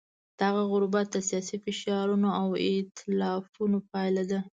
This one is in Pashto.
دغه غربت د سیاسي فشارونو او ایتلافونو پایله ده.